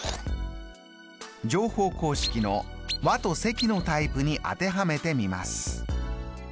乗法公式の和と積のタイプに当てはめてみます。